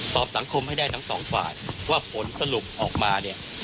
สังคมให้ได้ทั้งสองฝ่ายว่าผลสรุปออกมาเนี่ย